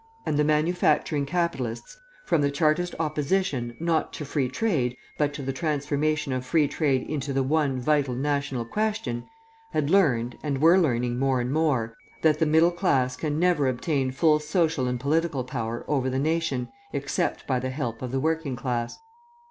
And the manufacturing capitalists, from the Chartist opposition, not to Free Trade, but to the transformation of Free Trade into the one vital national question, had learnt, and were learning more and more, that the middle class can never obtain full social and political power over the nation except by the help of the working class.